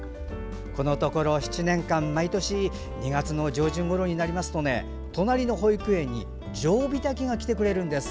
このところ、７年間毎年２月の上旬ごろになると隣の保育園にジョウビタキが来てくれるんです。